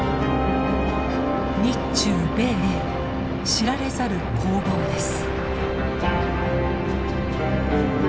日中米英知られざる攻防です。